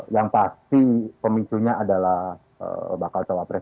yang pasti pemicunya adalah bakal cawapres